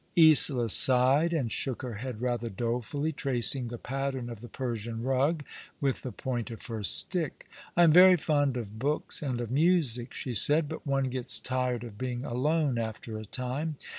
Isola sighed, and shook her head rather dolefully, tracing the pattern of the Persian rug with the point of her stick. "I am very fond of books, and of music," she said; " but one gets tired of being alone after a time.